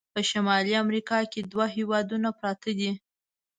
په شمالي امریکا کې دوه هیوادونه پراته دي.